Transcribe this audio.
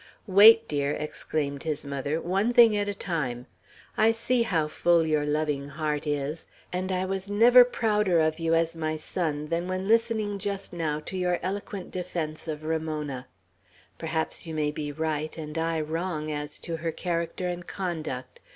"Wait, dear!" exclaimed his mother. "One thing at a time, I see how full your loving heart is, and I was never prouder of you as my son than when listening just now to your eloquent defence of Ramona, Perhaps you may be right and I wrong as to her character and conduct.